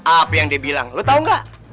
apa yang dia bilang lo tau gak